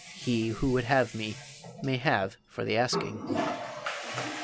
He who would have me, may have for the asking.